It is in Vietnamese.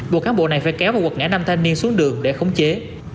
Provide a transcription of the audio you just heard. buộc cán bộ này phải kéo và quật ngã năm thanh niên xuống đường để khống chế